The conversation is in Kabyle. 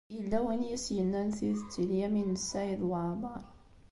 Yella win i as-yennan tidet i Lyamin n Saɛid Waɛmeṛ.